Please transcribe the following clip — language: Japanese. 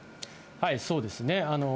そうですね。